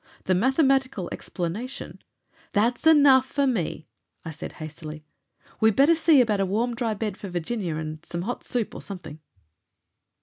The mathematical explanation " "That's enough for me!" I said hastily. "We better see about a warm, dry bed for Virginia, and some hot soup or something."